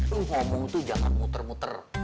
tuh ngomong tuh jangan muter muter